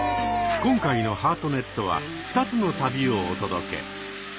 今回の「ハートネット」は２つの旅をお届け。